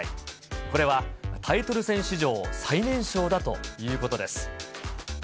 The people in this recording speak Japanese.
これは、タイトル戦史上最年少だということです。